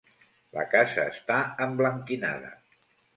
La casa està emblanquinada.